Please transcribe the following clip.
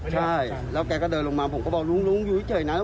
ใช่แล้วแกก็เดินลงมาผมก็บอกลุ้งอยู่ที่เจ๋ยนั้นนะ